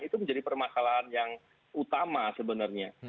itu menjadi permasalahan yang utama sebenarnya